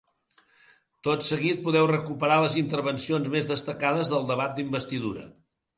Tot seguit, podeu recuperar les intervencions més destacades del debat d’investidura.